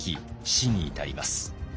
死に至ります。